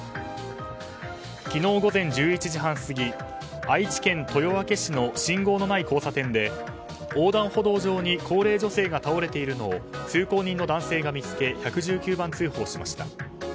昨日午前１１時半過ぎ愛知県豊明市の信号のない交差点で横断歩道上に高齢女性が倒れているのを通行人の男性が見つけ１１９番通報しました。